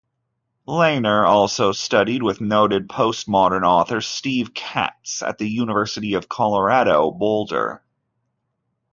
Leyner also studied with noted post-modern author Steve Katz at the University of Colorado-Boulder.